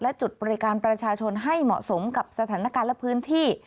และจุดบริการประชาชนให้เหมาะสมกับสถานการณ์และพื้นที่